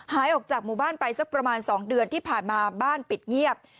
หายออกจากหมู่บ้านไปสักประมาณ๒เดือนที่ผ่านมาบ้านปิดเงียบ